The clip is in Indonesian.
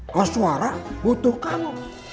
kos suara butuh kamu